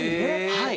はい。